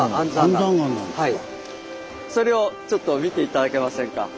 それをちょっと見て頂けませんか。